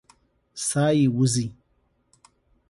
ساه یې وځي.